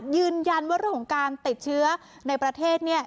ยืนยันว่าเรื่องของการติดเชื้อในประเทศ